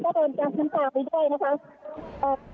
ตัวเองก็โดนแก้วขึ้นต่างไปด้วยนะครับ